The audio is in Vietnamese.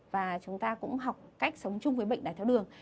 và chúng ta cũng học cách sống chung với bệnh đái tháo đường